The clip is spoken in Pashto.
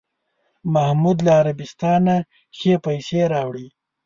محمود له عربستانه ښې پسې راوړې.